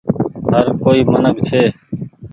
هر ڪوئي منک ڇي۔